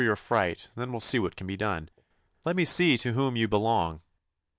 your fright, and then we '11 see what can be done. Let me see to whom you belong."